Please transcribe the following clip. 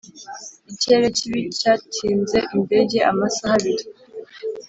ikirere kibi cyatinze indege amasaha abiri.